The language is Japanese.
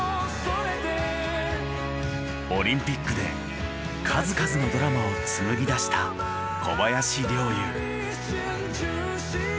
オリンピックで数々のドラマを紡ぎ出した小林陵侑。